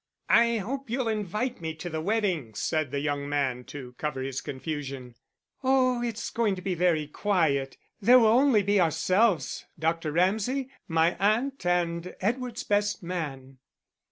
"I hope you'll invite me to the wedding," said the young man to cover his confusion. "Oh, it's going to be very quiet there will only be ourselves, Dr. Ramsay, my aunt, and Edward's best man."